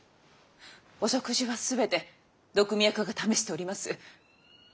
お食事は全て毒味役が試しております。